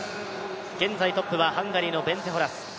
現在トップはハンガリーのベンツェ・ホラス。